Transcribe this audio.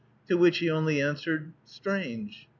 To which he only answered, "Strange!"